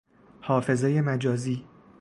حافظهی مجازی